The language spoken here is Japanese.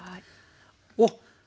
おっ！